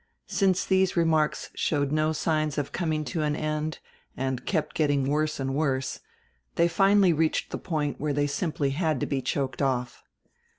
Since these re marks showed no signs of coming to an end, and kept getting worse and worse, they finally reached the point where they simply had to be choked off.